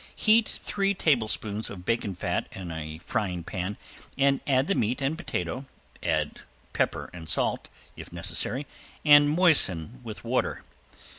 Heat three tablespoons of bacon fat in a frying pan and add the meat and potato, add pepper and salt, if necessary, and moisten with water.